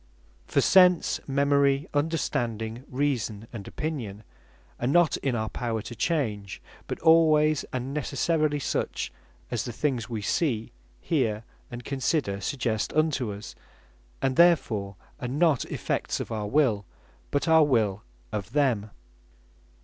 For Sense, Memory, Understanding, Reason, and Opinion are not in our power to change; but alwaies, and necessarily such, as the things we see, hear, and consider suggest unto us; and therefore are not effects of our Will, but our Will of them.